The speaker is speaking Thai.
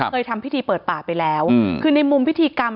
เคยทำพิธีเปิดป่าไปแล้วคือในมุมพิธีกรรม